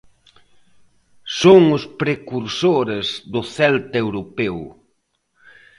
Son os precursores do Celta europeo.